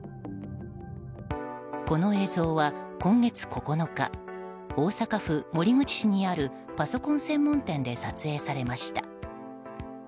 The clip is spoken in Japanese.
この映像は今月９日大阪府守口市にあるパソコン専門店で撮影されました。